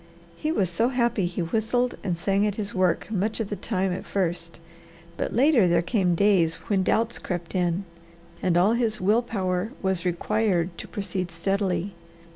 He was so happy he whistled and sang at his work much of the time at first, but later there came days when doubts crept in and all his will power was required to proceed steadily.